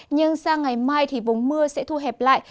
nhưng sang ngày mai thì vùng mưa sẽ thu hẹp lại